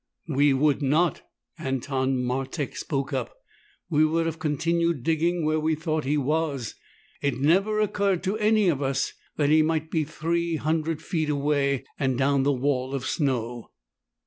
"We would not!" Anton Martek spoke up. "We would have continued digging where we thought he was. It never occurred to any of us that he might be three hundred feet away and down the wall of snow."